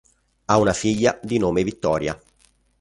Ha una figlia di nome Vittoria.